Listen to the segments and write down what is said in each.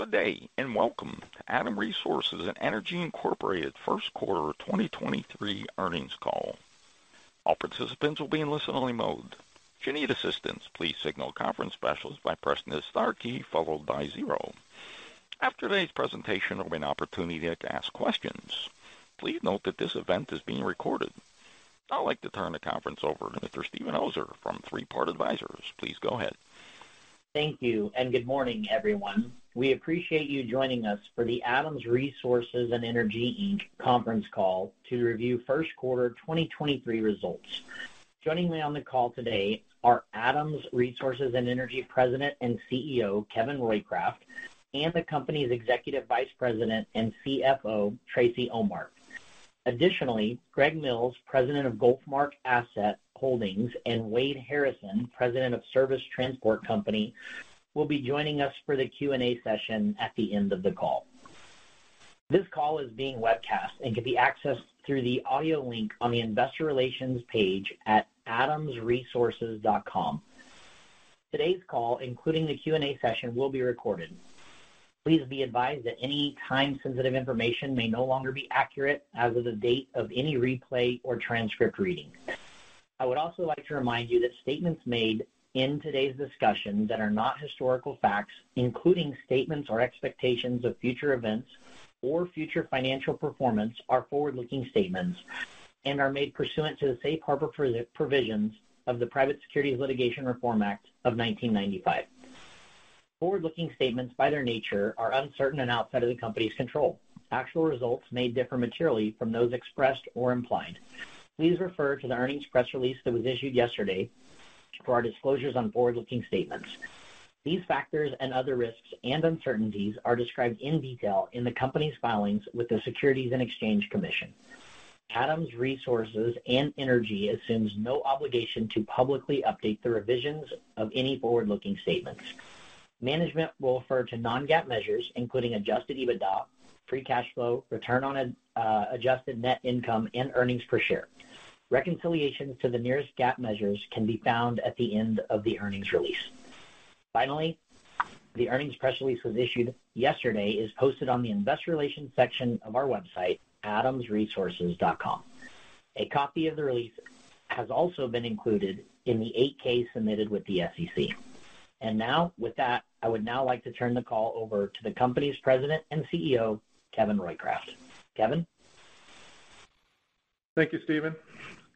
Good day, and welcome to Adams Resources and Energy Incorporated First Quarter 2023 earnings call. All participants will be in listen-only mode. If you need assistance, please signal conference specialist by pressing the star key followed by zero. After today's presentation, there will be an opportunity to ask questions. Please note that this event is being recorded. I'd like to turn the conference over to Mr. Steven Oser from Three Part Advisors. Please go ahead. Thank you, good morning, everyone. We appreciate you joining us for the Adams Resources and Energy Inc. conference call to review first quarter 2023 results. Joining me on the call today are Adams Resources and Energy President and CEO, Kevin Roycraft, and the company's Executive Vice President and CFO, Tracy Ohmart. Additionally, Greg Mills, President of GulfMark Asset Holdings, and Wade Harrison, President of Service Transport Company, will be joining us for the Q&A session at the end of the call. This call is being webcast and can be accessed through the audio link on the investor relations page at adamsresources.com. Today's call, including the Q&A session, will be recorded. Please be advised that any time-sensitive information may no longer be accurate as of the date of any replay or transcript reading. I would also like to remind you that statements made in today's discussion that are not historical facts, including statements or expectations of future events or future financial performance, are forward-looking statements and are made pursuant to the safe harbor provisions of the Private Securities Litigation Reform Act of 1995. Forward-looking statements, by their nature, are uncertain and outside of the company's control. Actual results may differ materially from those expressed or implied. Please refer to the earnings press release that was issued yesterday for our disclosures on forward-looking statements. These factors and other risks and uncertainties are described in detail in the company's filings with the Securities and Exchange Commission. Adams Resources & Energy assumes no obligation to publicly update the revisions of any forward-looking statements. Management will refer to non-GAAP measures, including Adjusted EBITDA, free cash flow, return on adjusted net income, and earnings per share. Reconciliation to the nearest GAAP measures can be found at the end of the earnings release. Finally, the earnings press release was issued yesterday, is posted on the investor relations section of our website, adamsresources.com. A copy of the release has also been included in the Form 8-K submitted with the SEC. With that, I would now like to turn the call over to the company's President and CEO, Kevin Roycraft. Kevin? Thank you, Steven.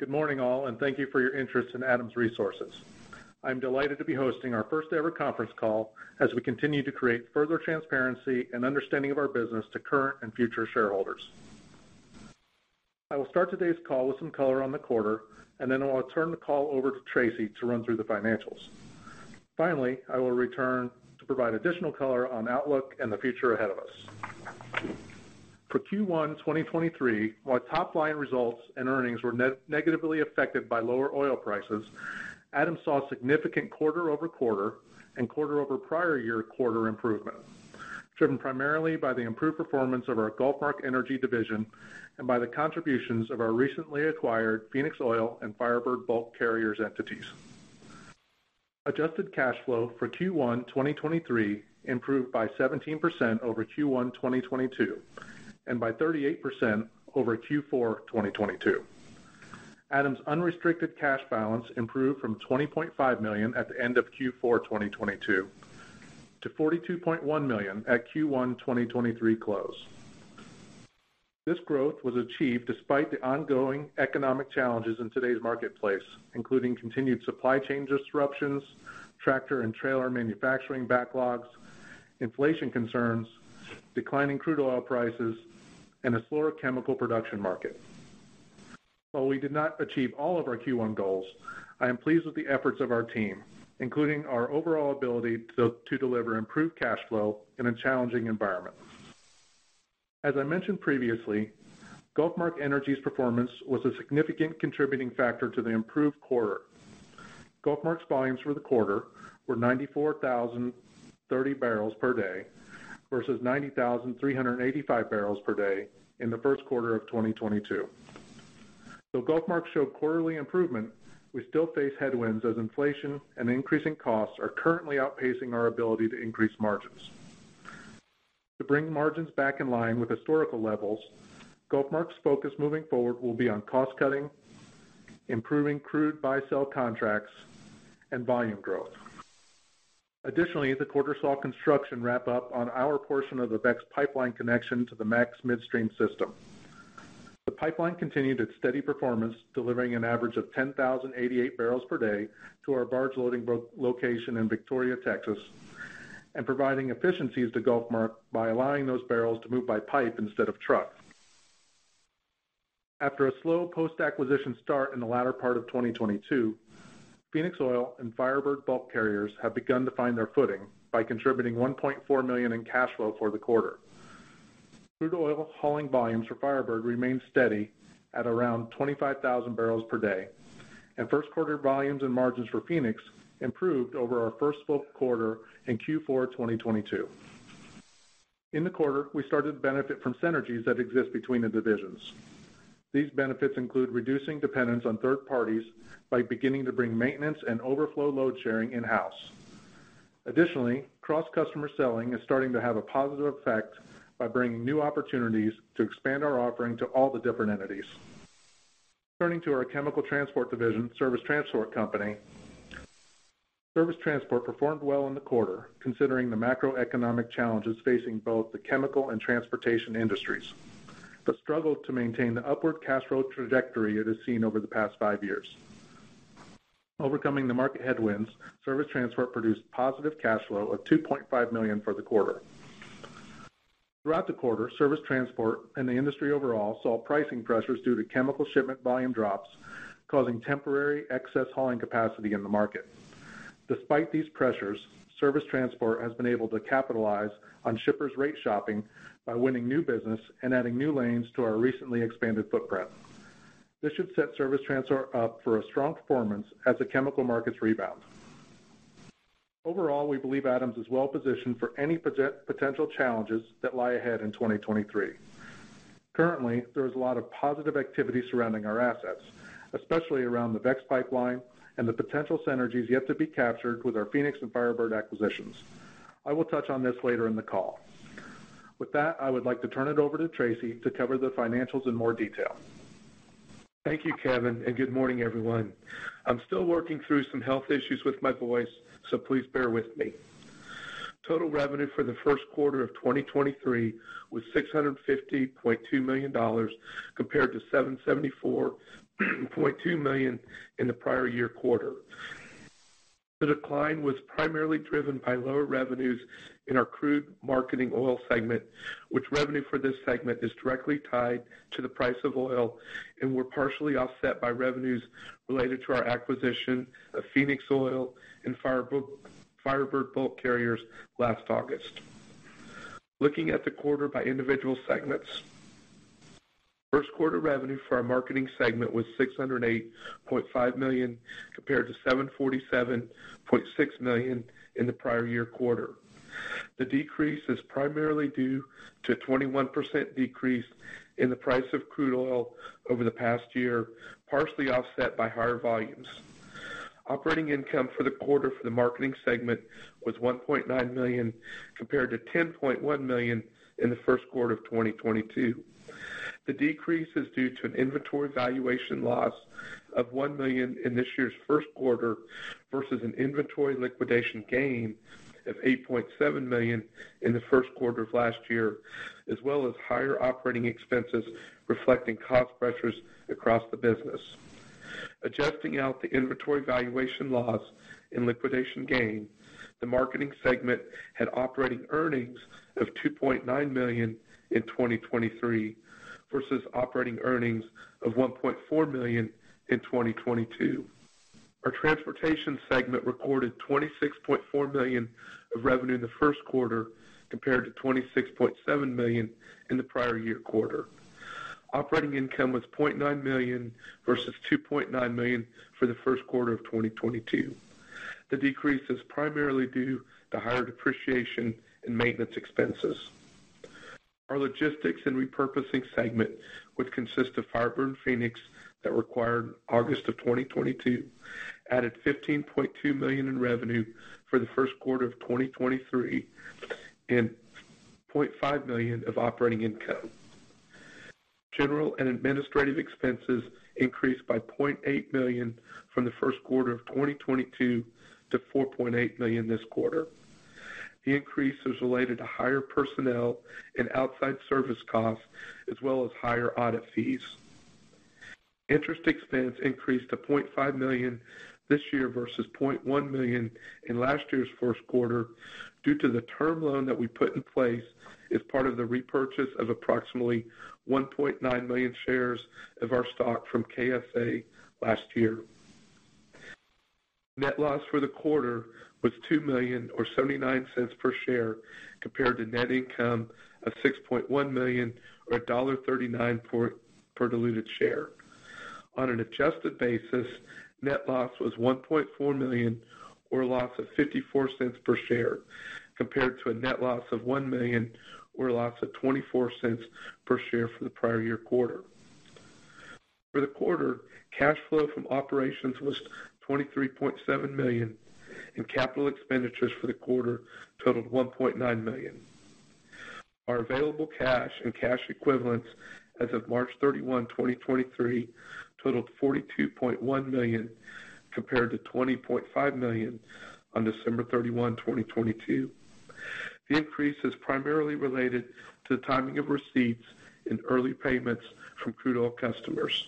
Good morning, all, thank you for your interest in Adams Resources. I'm delighted to be hosting our first-ever conference call as we continue to create further transparency and understanding of our business to current and future shareholders. I will start today's call with some color on the quarter, then I will turn the call over to Tracy to run through the financials. Finally, I will return to provide additional color on outlook and the future ahead of us. For Q1 2023, while top line results and earnings were negatively affected by lower oil prices, Adams saw a significant quarter-over-quarter and quarter-over-prior-year quarter improvement, driven primarily by the improved performance of our GulfMark Energy division and by the contributions of our recently acquired Phoenix Oil and Firebird Bulk Carriers entities. Adjusted cash flow for Q1 2023 improved by 17% over Q1 2022, and by 38% over Q4 2022. Adams' unrestricted cash balance improved from $20.5 million at the end of Q4 2022 to $42.1 million at Q1 2023 close. This growth was achieved despite the ongoing economic challenges in today's marketplace, including continued supply chain disruptions, tractor and trailer manufacturing backlogs, inflation concerns, declining crude oil prices, and a slower chemical production market. While we did not achieve all of our Q1 goals, I am pleased with the efforts of our team, including our overall ability to deliver improved cash flow in a challenging environment. As I mentioned previously, GulfMark Energy's performance was a significant contributing factor to the improved quarter. GulfMark's volumes for the quarter were 94,030 barrels per day versus 90,385 barrels per day in the first quarter of 2022. GulfMark showed quarterly improvement, we still face headwinds as inflation and increasing costs are currently outpacing our ability to increase margins. To bring margins back in line with historical levels, GulfMark's focus moving forward will be on cost cutting, improving crude buy-sell contracts, and volume growth. The quarter saw construction wrap up on our portion of the VEX Pipeline connection to the Max Midstream system. The pipeline continued its steady performance, delivering an average of 10,088 barrels per day to our barge loading location in Victoria, Texas, and providing efficiencies to GulfMark by allowing those barrels to move by pipe instead of truck. After a slow post-acquisition start in the latter part of 2022, Phoenix Oil and Firebird Bulk Carriers have begun to find their footing by contributing $1.4 million in cash flow for the quarter. Crude oil hauling volumes for Firebird remained steady at around 25,000 barrels per day. First quarter volumes and margins for Phoenix improved over our first full quarter in Q4 2022. In the quarter, we started to benefit from synergies that exist between the divisions. These benefits include reducing dependence on third parties by beginning to bring maintenance and overflow load-sharing in-house. Additionally, cross-customer selling is starting to have a positive effect by bringing new opportunities to expand our offering to all the different entities. Turning to our chemical transport division, Service Transport Company. Service Transport performed well in the quarter, considering the macroeconomic challenges facing both the chemical and transportation industries, but struggled to maintain the upward cash flow trajectory it has seen over the past 5 years. Overcoming the market headwinds, Service Transport produced positive cash flow of $2.5 million for the quarter. Throughout the quarter, Service Transport, and the industry overall, saw pricing pressures due to chemical shipment volume drops, causing temporary excess hauling capacity in the market. Despite these pressures, Service Transport has been able to capitalize on shippers' rate shopping by winning new business and adding new lanes to our recently expanded footprint. This should set Service Transport up for a strong performance as the chemical markets rebound. Overall, we believe Adams is well positioned for any potential challenges that lie ahead in 2023. Currently, there is a lot of positive activity surrounding our assets, especially around the VEX Pipeline and the potential synergies yet to be captured with our Phoenix and Firebird acquisitions. I will touch on this later in the call. With that, I would like to turn it over to Tracy to cover the financials in more detail. Thank you, Kevin. Good morning, everyone. I'm still working through some health issues with my voice, so please bear with me. Total revenue for the first quarter of 2023 was $650.2 million, compared to $774.2 million in the prior year quarter. The decline was primarily driven by lower revenues in our crude marketing oil segment, which revenue for this segment is directly tied to the price of oil, were partially offset by revenues related to our acquisition of Phoenix Oil and Firebird Bulk Carriers last August. Looking at the quarter by individual segments. First quarter revenue for our marketing segment was $608.5 million, compared to $747.6 million in the prior year quarter. The decrease is primarily due to a 21% decrease in the price of crude oil over the past year, partially offset by higher volumes. Operating income for the quarter for the marketing segment was $1.9 million, compared to $10.1 million in the first quarter of 2022. The decrease is due to an inventory valuation loss of $1 million in this year's first quarter, versus an inventory liquidation gain of $8.7 million in the first quarter of last year, as well as higher operating expenses, reflecting cost pressures across the business. Adjusting out the inventory valuation loss and liquidation gain, the marketing segment had operating earnings of $2.9 million in 2023, versus operating earnings of $1.4 million in 2022. Our transportation segment recorded $26.4 million of revenue in the first quarter, compared to $26.7 million in the prior year quarter. Operating income was $0.9 million versus $2.9 million for the first quarter of 2022. The decrease is primarily due to higher depreciation and maintenance expenses. Our logistics and repurposing segment, which consists of Firebird and Phoenix, that were acquired August of 2022, added $15.2 million in revenue for the first quarter of 2023, and $0.5 million of operating income. General and administrative expenses increased by $0.8 million from the first quarter of 2022 to $4.8 million this quarter. The increase is related to higher personnel and outside service costs, as well as higher audit fees. Interest expense increased to $0.5 million this year versus $0.1 million in last year's first quarter, due to the term loan that we put in place as part of the repurchase of approximately 1.9 million shares of our stock from KSA last year. Net loss for the quarter was $2 million, or $0.79 per share, compared to net income of $6.1 million, or $1.39 per diluted share. On an adjusted basis, net loss was $1.4 million, or a loss of $0.54 per share, compared to a net loss of $1 million, or a loss of $0.24 per share for the prior year quarter. For the quarter, cash flow from operations was $23.7 million, and capital expenditures for the quarter totaled $1.9 million. Our available cash and cash equivalents as of March 31, 2023, totaled $42.1 million, compared to $20.5 million on December 31, 2022. The increase is primarily related to the timing of receipts and early payments from crude oil customers.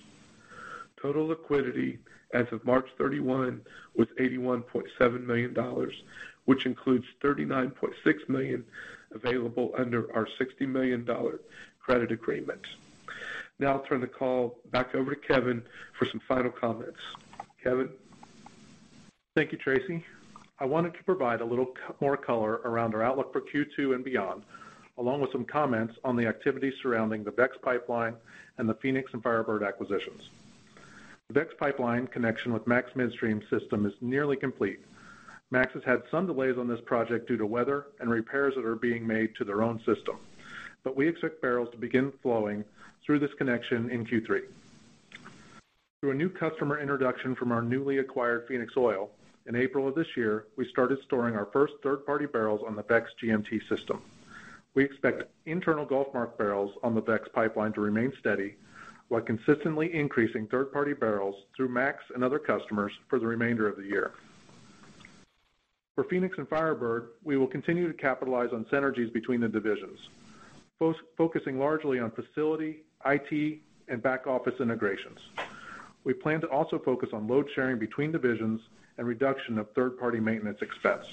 Total liquidity as of March 31, was $81.7 million, which includes $39.6 million available under our $60 million credit agreement. Now I'll turn the call back over to Kevin for some final comments. Kevin? Thank you, Tracy. I wanted to provide a little more color around our outlook for Q2 and beyond, along with some comments on the activities surrounding the VEX Pipeline and the Phoenix and Firebird acquisitions. The VEX Pipeline connection with Max Midstream system is nearly complete. Max has had some delays on this project due to weather and repairs that are being made to their own system, but we expect barrels to begin flowing through this connection in Q3. Through a new customer introduction from our newly acquired Phoenix Oil, in April of this year, we started storing our first third-party barrels on the VEX GMT system. We expect internal GulfMark barrels on the VEX Pipeline to remain steady, while consistently increasing third-party barrels through Max and other customers for the remainder of the year. For Phoenix and Firebird, we will continue to capitalize on synergies between the divisions, focusing largely on facility, IT, and back-office integrations. We plan to also focus on load sharing between divisions and reduction of third-party maintenance expense.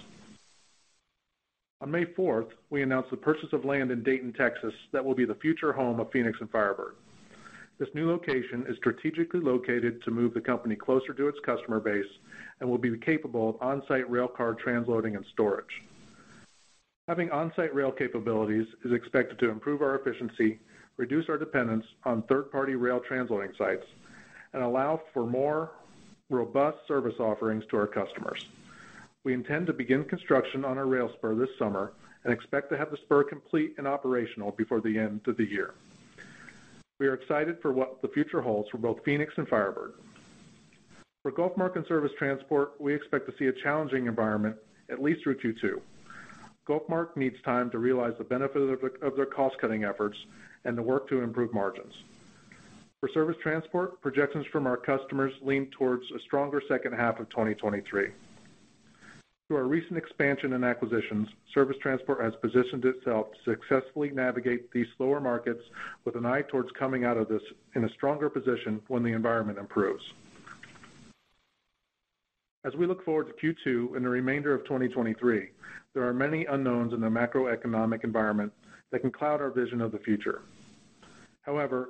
On May fourth, we announced the purchase of land in Dayton, Texas, that will be the future home of Phoenix and Firebird. This new location is strategically located to move the company closer to its customer base and will be capable of on-site railcar transloading and storage. Having on-site rail capabilities is expected to improve our efficiency, reduce our dependence on third-party rail transloading sites, and allow for more robust service offerings to our customers. We intend to begin construction on our rail spur this summer and expect to have the spur complete and operational before the end of the year. We are excited for what the future holds for both Phoenix and Firebird. For GulfMark and Service Transport, we expect to see a challenging environment at least through Q2. GulfMark needs time to realize the benefit of their cost-cutting efforts and the work to improve margins. For Service Transport, projections from our customers lean towards a stronger second half of 2023. Through our recent expansion and acquisitions, Service Transport has positioned itself to successfully navigate these slower markets with an eye towards coming out of this in a stronger position when the environment improves. We look forward to Q2 and the remainder of 2023, there are many unknowns in the macroeconomic environment that can cloud our vision of the future.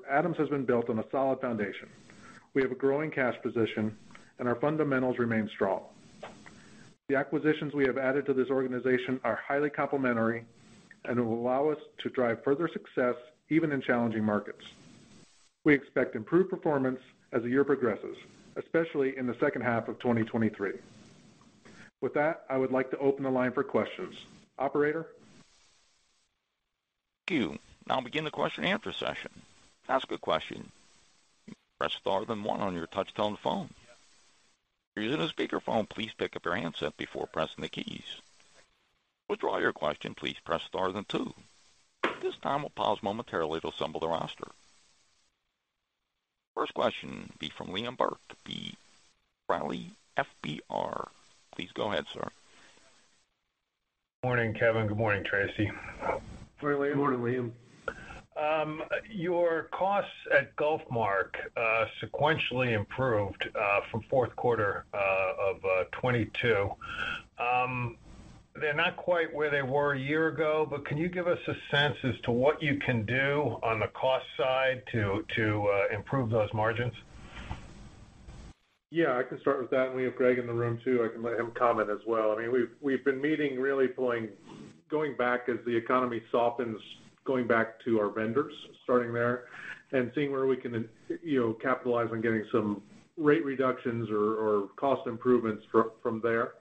Adams has been built on a solid foundation. We have a growing cash position, and our fundamentals remain strong. The acquisitions we have added to this organization are highly complementary and will allow us to drive further success even in challenging markets. We expect improved performance as the year progresses, especially in the second half of 2023. With that, I would like to open the line for questions. Operator? Thank you. Now I'll begin the question-and-answer session. To ask a question, press star then one on your touchtone phone. If you're using a speakerphone, please pick up your handset before pressing the keys. To withdraw your question, please press star then two. At this time, we'll pause momentarily to assemble the roster. First question will be from Liam Burt, B. Riley Securities. Please go ahead, sir. Good morning, Kevin. Good morning, Tracy. Good morning, Liam. Good morning, Liam. Your costs at GulfMark sequentially improved from fourth quarter of 2022. They're not quite where they were a year ago, but can you give us a sense as to what you can do on the cost side to, to improve those margins? Yeah, I can start with that. We have Greg in the room, too. I can let him comment as well. I mean, we've, we've been meeting, really pulling going back as the economy softens, going back to our vendors, starting there, and seeing where we can, you know, capitalize on getting some rate reductions or, or cost improvements from, from there.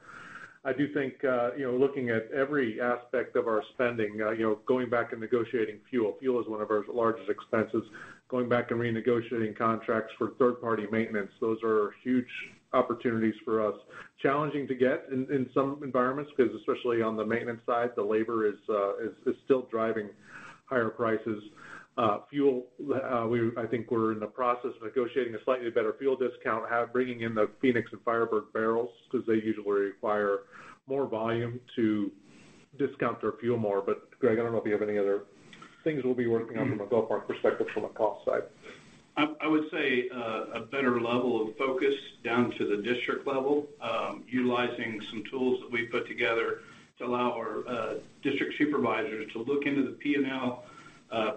I do think, you know, looking at every aspect of our spending, you know, going back and negotiating fuel. Fuel is one of our largest expenses. Going back and renegotiating contracts for third-party maintenance, those are huge opportunities for us. Challenging to get in, in some environments, because especially on the maintenance side, the labor is, is, is still driving higher prices. Fuel, I think we're in the process of negotiating a slightly better fuel discount, bringing in the Phoenix and Firebird barrels, because they usually require more volume to discount their fuel more. Greg, I don't know if you have any other things we'll be working on from a GulfMark perspective, from a cost side? I, I would say, a better level of focus down to the district level, utilizing some tools that we've put together to allow our district supervisors to look into the P&L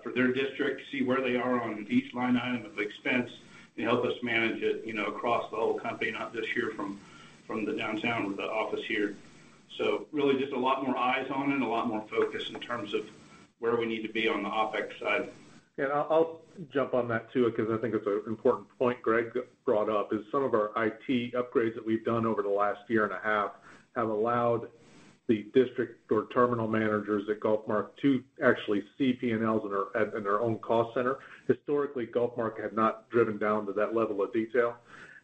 for their district, see where they are on each line item of expense, and help us manage it, you know, across the whole company, not just hear from, from the downtown or the office here. Really, just a lot more eyes on it and a lot more focus in terms of where we need to be on the OpEx side. I'll, I'll jump on that, too, because I think it's an important point Greg brought up, is some of our IT upgrades that we've done over the last year and a half have allowed the district or terminal managers at GulfMark to actually see P&Ls in their, in their own cost center. Historically, GulfMark had not driven down to that level of detail,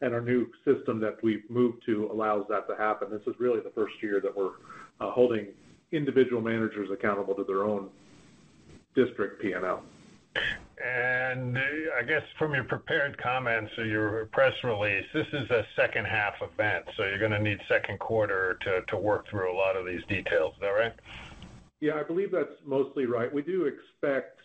and our new system that we've moved to allows that to happen. This is really the first year that we're holding individual managers accountable to their own district P&L. I guess from your prepared comments or your press release, this is a second-half event, so you're gonna need second quarter to work through a lot of these details. Is that right? Yeah, I believe that's mostly right. We do expect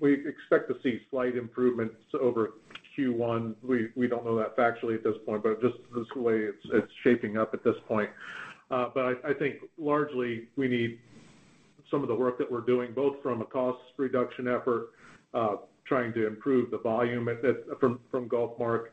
we expect to see slight improvements over Q1. We, we don't know that factually at this point, but just the way it's, it's shaping up at this point. I, I think largely we need some of the work that we're doing, both from a cost reduction effort, trying to improve the volume at that-- from, from GulfMark,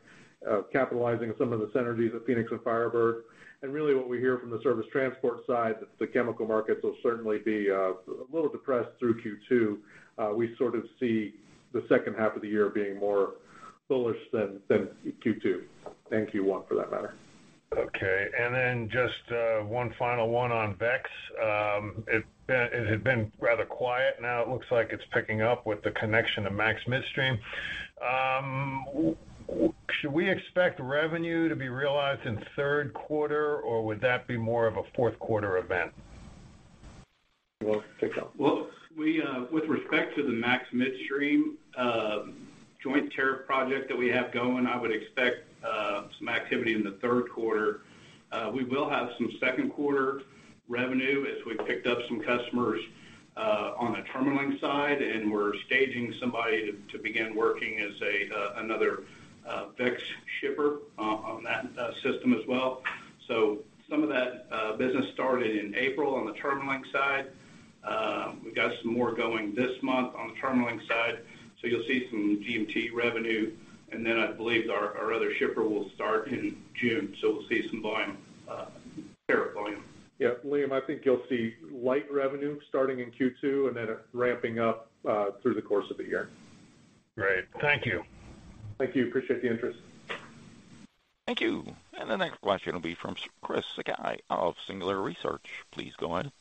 capitalizing on some of the synergies of Phoenix and Firebird. Really, what we hear from the Service Transport side, that the chemical markets will certainly be a little depressed through Q2. We sort of see the second half of the year being more bullish than, than Q2 and Q1, for that matter. Okay, and then just, 1 final 1 on VEX. It had been rather quiet, now it looks like it's picking up with the connection to Max Midstream. Should we expect revenue to be realized in third quarter, or would that be more of a fourth quarter event? Well, take that. Well, we, with respect to the Max Midstream joint tariff project that we have going, I would expect some activity in the third quarter. We will have some second quarter revenue as we've picked up some customers on the terminalling side, and we're staging somebody to begin working as another VEX shipper on that system as well. Some of that business started in April on the terminalling side. We've got some more going this month on the terminalling side, so you'll see some GMT revenue, and then I believe our other shipper will start in June, so we'll see some volume, tariff volume. Yeah, Liam, I think you'll see light revenue starting in Q2, then it ramping up, through the course of the year. Great. Thank you. Thank you. Appreciate the interest. Thank you. The next question will be from Chris Sakai of Singular Research. Please go ahead.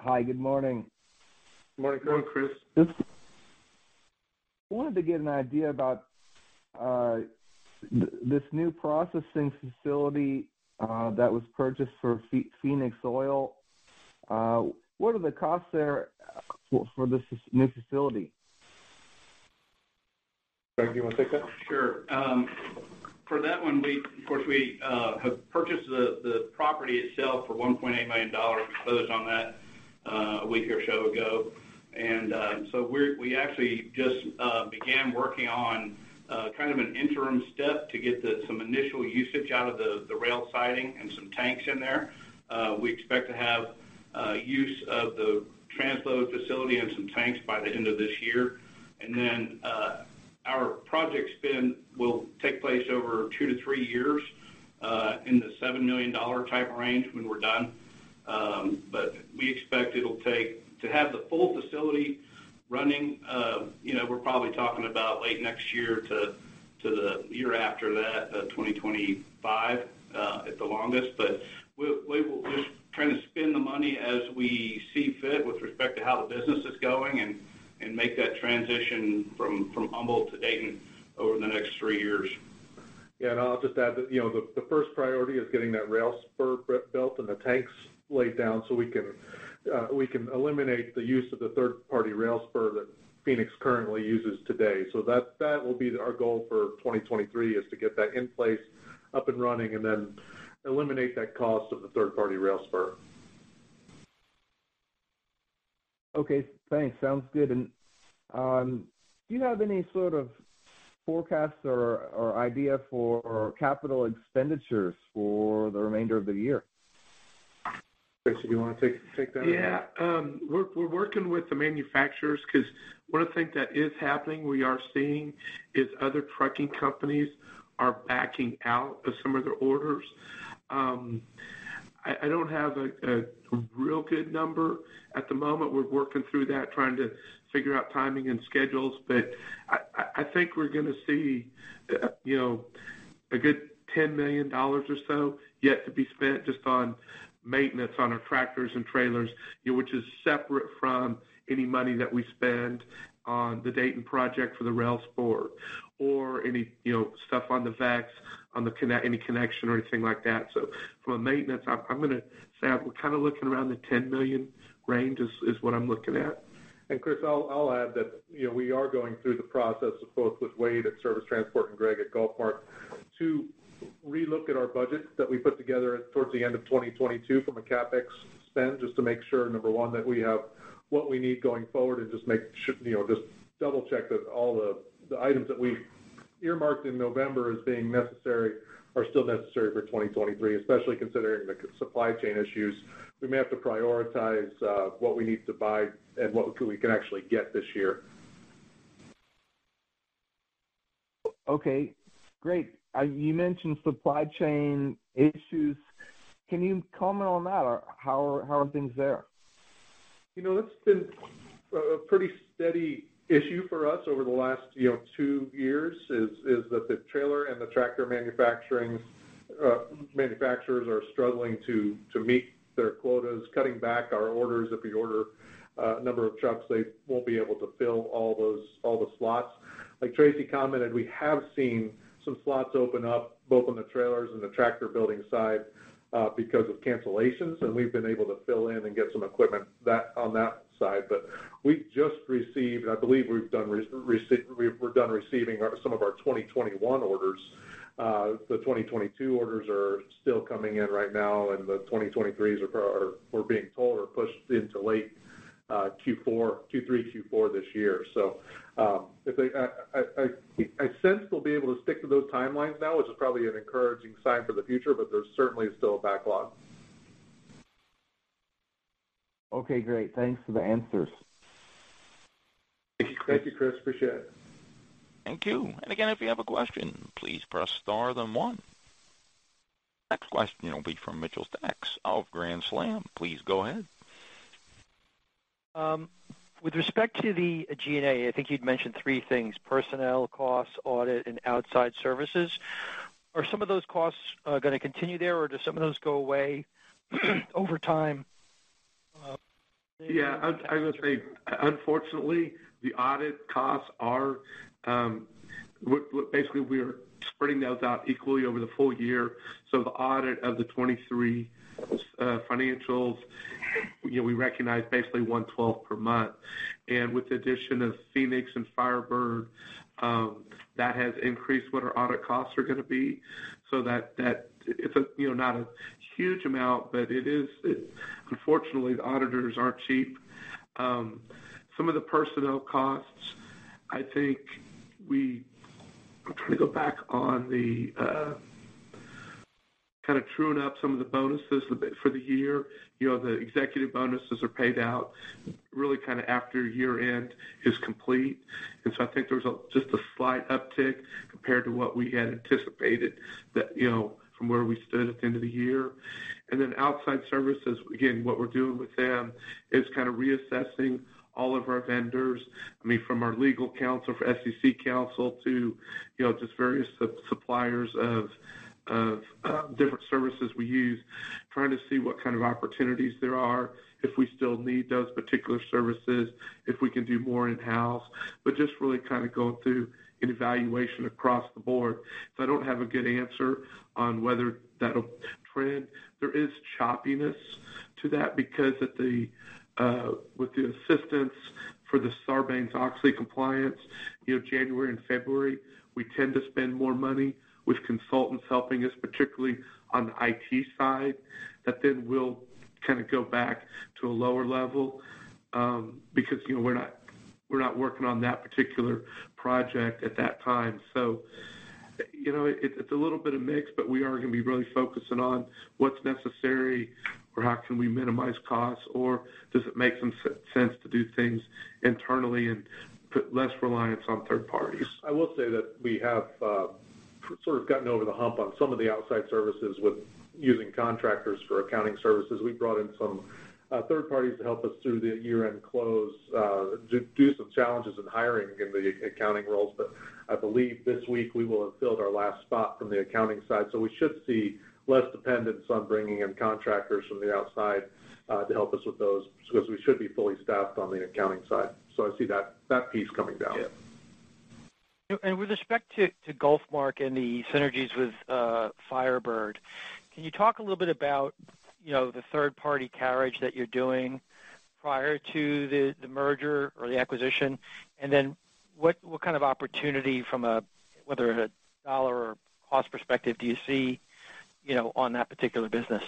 Hi, good morning. Good morning, Chris. Good morning. Just wanted to get an idea about, this new processing facility, that was purchased for Phoenix Oil. What are the costs there, for, for this new facility? Greg, do you want to take that? Sure. For that one, we of course, we have purchased the property itself for $1.8 million. We closed on that a week or so ago. We actually just began working on kind of an interim step to get some initial usage out of the rail siding and some tanks in there. We expect to have use of the transload facility and some tanks by the end of this year. Our project spend will take place over two to three years, in the $7 million type range when we're done. We expect to have the full facility running, you know, we're probably talking about late next year to the year after that, 2025, at the longest. We're trying to spend the money as we see fit with respect to how the business is going, and make that transition from Humboldt to Dayton over the next three years. Yeah, I'll just add that, you know, the, the first priority is getting that rail spur built and the tanks laid down so we can eliminate the use of the third-party rail spur that Phoenix currently uses today. That, that will be our goal for 2023, is to get that in place, up and running, and then eliminate that cost of the third-party rail spur. Okay, thanks. Sounds good. Do you have any sort of forecasts or, or idea for capital expenditures for the remainder of the year? Chris, do you want to take, take that? Yeah. We're, we're working with the manufacturers, because one of the things that is happening, we are seeing, is other trucking companies are backing out of some of their orders. I, I don't have a, a, a real good number at the moment. We're working through that, trying to figure out timing and schedules, but I, I, I think we're gonna see, you know, a good $10 million or so, yet to be spent just on maintenance on our tractors and trailers, which is separate from any money that we spend on the Dayton project for the rail spur or any, you know, stuff on the VEX, any connection or anything like that. From a maintenance, I'm, I'm gonna say we're kind of looking around the $10 million range is, is what I'm looking at. Chris, I'll, I'll add that, you know, we are going through the process of both with Wade at Service Transport and Greg at GulfMark, to relook at our budget that we put together towards the end of 2022 from a CapEx spend, just to make sure, number one, that we have what we need going forward and just make, you know, just double-check that all the, the items that we earmarked in November as being necessary are still necessary for 2023. Especially considering the supply chain issues, we may have to prioritize what we need to buy and what we can actually get this year. Okay, great. You mentioned supply chain issues. Can you comment on that? How are things there? You know, it's been a, a pretty steady issue for us over the last, you know, 2 years, is, is that the trailer and the tractor manufacturing, manufacturers are struggling to, to meet their quotas, cutting back our orders. If we order a number of trucks, they won't be able to fill all the slots. Like Tracy commented, we have seen some slots open up, both on the trailers and the tractor building side, because of cancellations, and we've been able to fill in and get some equipment on that side. But we've just received, I believe we're done receiving our, some of our 2021 orders. The 2022 orders are still coming in right now, and the 2023s are, we're being told, are pushed into late Q4, Q3, Q4 this year. If they... I sense we'll be able to stick to those timelines now, which is probably an encouraging sign for the future, but there's certainly still a backlog. Okay, great. Thanks for the answers. Thank you, Chris. Thank you, Chris. Appreciate it. Thank you. And again, if you have a question, please press star then one. Next question will be from Mitchell Sacks of Grand Slam. Please go ahead.... with respect to the G&A, I think you'd mentioned 3 things: personnel costs, audit, and outside services. Are some of those costs, gonna continue there, or do some of those go away over time? Yeah, I'd say, unfortunately, the audit costs are, we're basically, we are spreading those out equally over the full year. The audit of the 23 financials, you know, we recognize basically 1/12 per month. With the addition of Phoenix and Firebird, that has increased what our audit costs are gonna be. That, it's a, you know, not a huge amount, but it is. Unfortunately, the auditors aren't cheap. Some of the personnel costs, I think we I'm trying to go back on the kind of truing up some of the bonuses a bit for the year. You know, the executive bonuses are paid out really kind of after year-end is complete. I think there was just a slight uptick compared to what we had anticipated that, you know, from where we stood at the end of the year. Outside services, again, what we're doing with them is kind of reassessing all of our vendors. I mean, from our legal counsel, for S.E.C. counsel to, you know, just various suppliers of different services we use, trying to see what kind of opportunities there are, if we still need those particular services, if we can do more in-house, but just really kind of going through an evaluation across the board. I don't have a good answer on whether that'll trend. There is choppiness to that because at the with the assistance for the Sarbanes-Oxley compliance, you know, January and February, we tend to spend more money with consultants helping us, particularly on the IT side, that then we'll kind of go back to a lower level, because, you know, we're not, we're not working on that particular project at that time. You know, it's a little bit of mix, but we are gonna be really focusing on what's necessary or how can we minimize costs, or does it make some sense to do things internally and put less reliance on third parties. I will say that we have sort of gotten over the hump on some of the outside services with using contractors for accounting services. We brought in some third parties to help us through the year-end close due to some challenges in hiring in the accounting roles. I believe this week we will have filled our last spot from the accounting side. We should see less dependence on bringing in contractors from the outside to help us with those, because we should be fully staffed on the accounting side. I see that, that piece coming down. Yeah. With respect to, to GulfMark and the synergies with Firebird, can you talk a little bit about, you know, the third-party carriage that you're doing prior to the, the merger or the acquisition? Then, what, what kind of opportunity from a, whether a dollar or cost perspective, do you see, you know, on that particular business?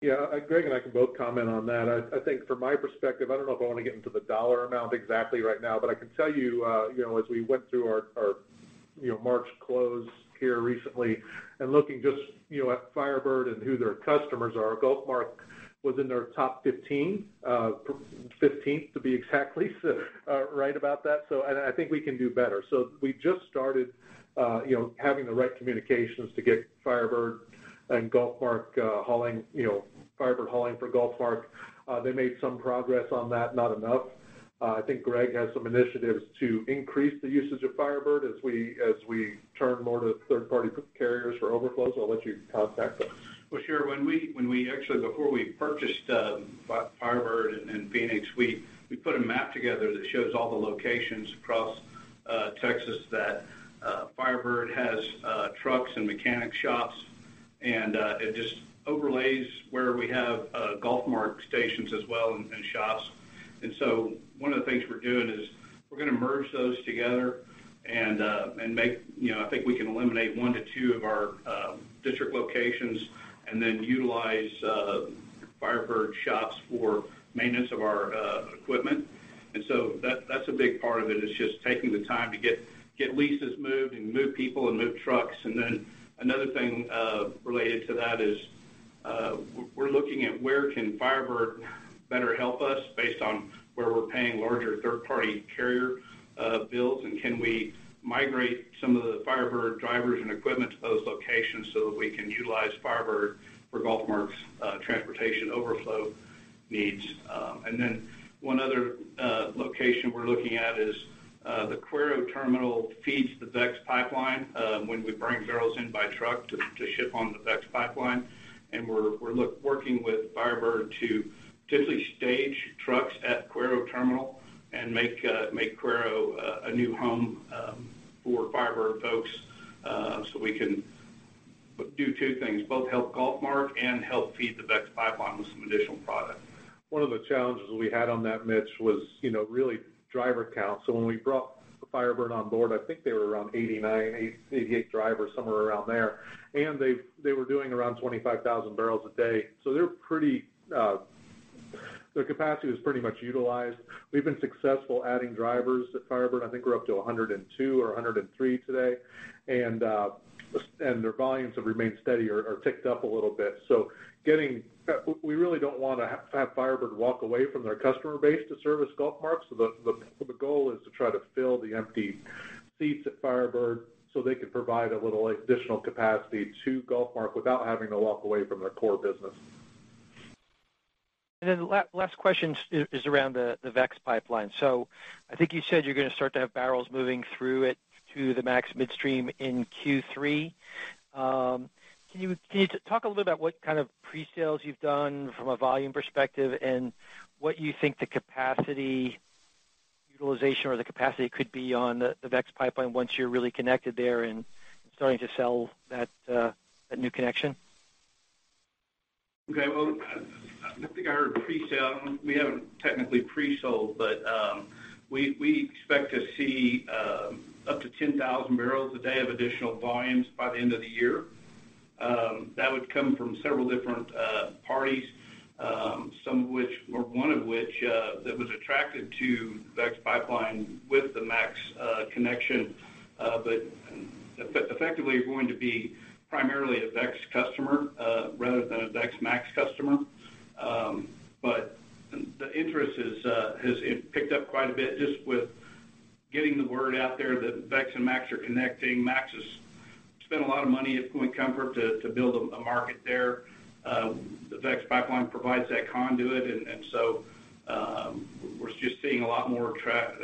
Yeah, Greg and I can both comment on that. I, I think from my perspective, I don't know if I want to get into the dollar amount exactly right now, but I can tell you, you know, as we went through our, our, you know, March close here recently, and looking just, you know, at Firebird and who their customers are, GulfMark was in their top 15, 15th to be exactly right about that. I think we can do better. We just started, you know, having the right communications to get Firebird and GulfMark, hauling, you know, Firebird hauling for GulfMark. They made some progress on that, not enough. I think Greg has some initiatives to increase the usage of Firebird as we, as we turn more to third-party carriers for overflows. I'll let you comment that. Well, sure. When we, when we actually, before we purchased Firebird and Phoenix, we put a map together that shows all the locations across Texas that Firebird has trucks and mechanic shops, and it just overlays where we have GulfMark stations as well, and shops. So one of the things we're doing is we're gonna merge those together and make... You know, I think we can eliminate one to two of our district locations and then utilize Firebird shops for maintenance of our equipment. So that, that's a big part of it, is just taking the time to get, get leases moved and move people and move trucks. Another thing related to that is we're looking at where can Firebird better help us based on where we're paying larger third-party carrier bills, and can we migrate some of the Firebird drivers and equipment to those locations so that we can utilize Firebird for GulfMark's transportation overflow needs? One other location we're looking at is the Cuero terminal feeds the VEX Pipeline when we bring barrels in by truck to ship on the VEX Pipeline. We're working with Firebird to typically stage trucks at Cuero terminal and make Cuero a new home for Firebird folks, so we can do two things, both help GulfMark and help feed the VEX Pipeline with some additional product. One of the challenges we had on that, Mitch, was, you know, really driver count. When we brought Firebird on board, I think they were around 88 drivers, somewhere around there, and they, they were doing around 25,000 barrels a day. Their capacity was pretty much utilized. We've been successful adding drivers at Firebird. I think we're up to 102 or 103 today, and their volumes have remained steady or, or ticked up a little bit. We really don't want to have Firebird walk away from their customer base to service GulfMark. The goal is to try to fill the empty seats at Firebird, so they could provide a little, like, additional capacity to GulfMark without having to walk away from their core business. The last question is, is around the VEX Pipeline. I think you said you're gonna start to have barrels moving through it to the MAX Midstream in Q3. Can you, can you talk a little about what kind of presales you've done from a volume perspective, and what you think the capacity utilization or the capacity could be on the VEX Pipeline once you're really connected there and starting to sell that new connection? Okay, well, I, I, I think I heard presale. We haven't technically presold, but we, we expect to see up to 10,000 barrels a day of additional volumes by the end of the year. That would come from several different parties, some of which or one of which that was attracted to VEX Pipeline with the MAX connection. Effectively, we're going to be primarily a VEX customer rather than a VEX/MAX customer. The, the interest is has, it picked up quite a bit just with getting the word out there that VEX and MAX are connecting. MAX has spent a lot of money at Point Comfort to, to build a market there. The VEX Pipeline provides that conduit, and, and so, we're just seeing a lot more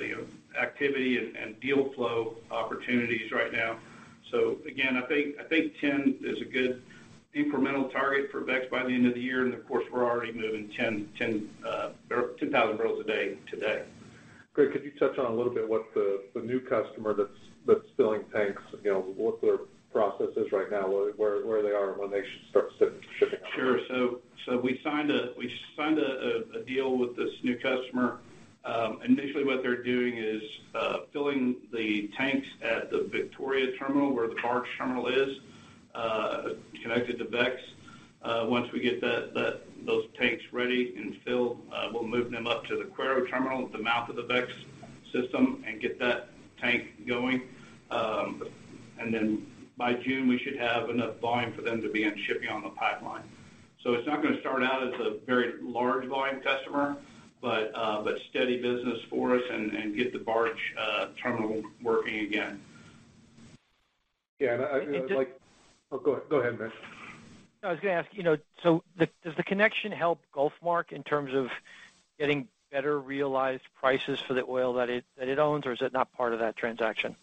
you know, activity and, and deal flow opportunities right now. Again, I think, I think 10 is a good incremental target for VEX by the end of the year, and of course, we're already moving ten, ten, or 2,000 barrels a day today. Greg, could you touch on a little bit what the, the new customer that's, that's filling tanks, you know, what their process is right now, where, where they are when they should start ship-shipping? Sure. we signed a deal with this new customer. Initially, what they're doing is filling the tanks at the Victoria terminal, where the barge terminal is connected to VEX. Once we get those tanks ready and filled, we'll move them up to the Cuero terminal at the mouth of the VEX system and get that tank going. And then by June, we should have enough volume for them to begin shipping on the pipeline. It's not gonna start out as a very large volume customer, but steady business for us and get the barge terminal working again. Yeah, I, I would like- And just- Oh, go, go ahead, Mitch. I was gonna ask, you know, Does the connection help GulfMark in terms of getting better realized prices for the oil that it owns, or is it not part of that transaction?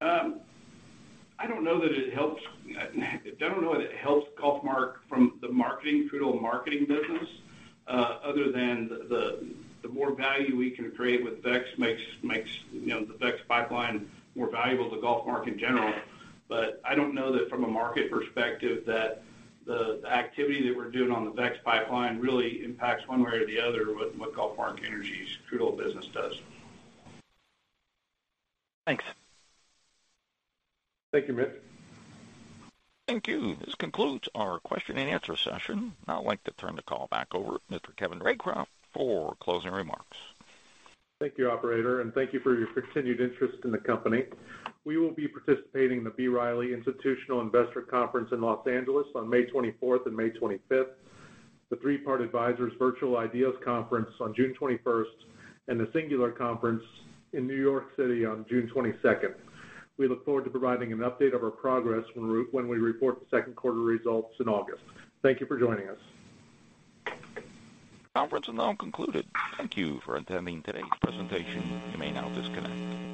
I don't know that it helps... I don't know that it helps GulfMark from the marketing, crude oil marketing business, other than the, the more value we can create with VEX makes, makes, you know, the VEX Pipeline more valuable to GulfMark in general. I don't know that from a market perspective, that the activity that we're doing on the VEX Pipeline really impacts one way or the other what, what GulfMark Energy's crude oil business does. Thanks. Thank you, Mitch. Thank you. This concludes our question and answer session. I'd now like to turn the call back over to Mr. Kevin Roycraft for closing remarks. Thank you, operator, and thank you for your continued interest in the company. We will be participating in the B. Riley Institutional Investor Conference in Los Angeles on May 24th and May 25th, the Three Part Advisors Virtual Ideas Conference on June 21st, and the Singular Conference in New York City on June 22nd. We look forward to providing an update of our progress when we report the 2nd quarter results in August. Thank you for joining us. Conference is now concluded. Thank you for attending today's presentation. You may now disconnect.